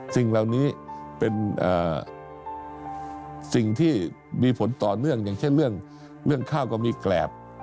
สิ่งเหล่านี้เป็นสิ่งที่มีผลต่อเนื่องอย่างเช่นเรื่องข้าวก็มีแกรบ